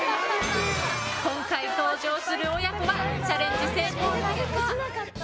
今回、登場する親子はチャレンジ成功なるか？